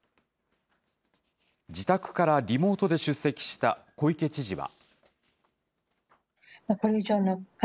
自宅からリモートで出席した小池知事は。